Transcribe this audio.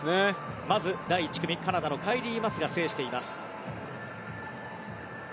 まず第１組カナダのカイリー・マスが制しています。